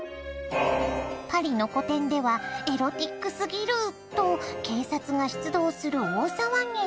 パリの個展ではエロチックすぎる！と警察が出動する大騒ぎに。